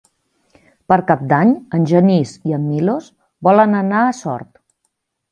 Per Cap d'Any en Genís i en Milos volen anar a Sort.